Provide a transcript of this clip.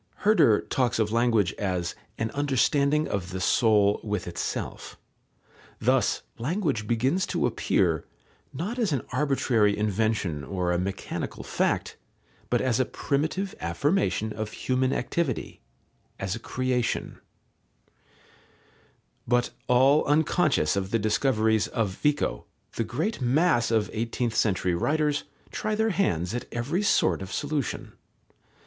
Herder talks of language as "an understanding of the soul with itself." Thus language begins to appear, not as an arbitrary invention or a mechanical fact, but as a primitive affirmation of human activity, as a creation. But all unconscious of the discoveries of Vico, the great mass of eighteenth century writers try their hands at every sort of solution.